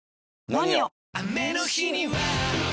「ＮＯＮＩＯ」！